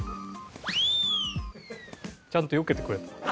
ちゃんとよけてくれた。